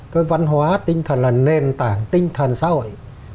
cái văn hóa tinh thần là nền tảng tinh thần xã hội